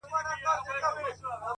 څوک د مئين سره په نه خبره شر نه کوي!!